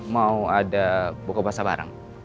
mau ada buka basa bareng